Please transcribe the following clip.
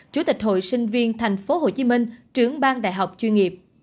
chủ tịch hội sinh viên thành phố hồ chí minh trưởng bang đại học chuyên nghiệp